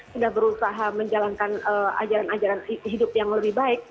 sudah berusaha menjalankan ajaran ajaran hidup yang lebih baik